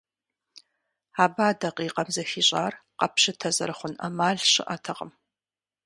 Абы а дакъикъэм зэхищӏар, къэппщытэ зэрыхъун ӏэмал щыӏэтэкъым.